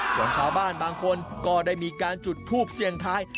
ส่วนชาวบ้านบางคนก็ได้มีการจุดทูปเสี่ยงทาย